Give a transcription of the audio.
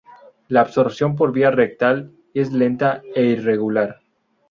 La absorción por vía rectal es lenta e irregular.